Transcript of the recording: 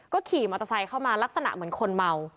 ขี่มอเตอร์ไซค์เข้ามาลักษณะเหมือนคนเมา